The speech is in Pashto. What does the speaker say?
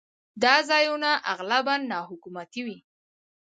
دا ځایونه اغلباً ناحکومتي وي.